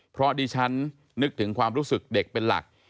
เพราะดิฉันนึกถึงความรู้สึกเด็กเป็นหลัก